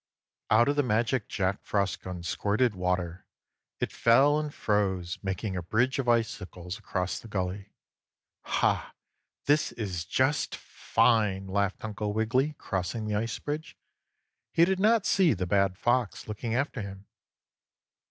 3. Out of the magic Jack Frost gun squirted water. It fell and froze, making a bridge of icicles across the gully. "Ha! This is just fine!" laughed Uncle Wiggily, crossing the ice bridge. He did not see the bad Fox looking after him.